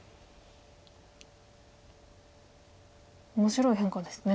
面白い変化ですね。